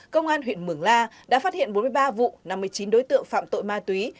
công an huyện mường la đã phát hiện bốn mươi ba vụ năm mươi chín đối tượng phạm tội ma túy